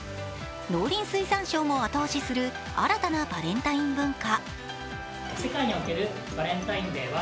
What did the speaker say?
農林水産省も後押しする新たなバレンタイン文化。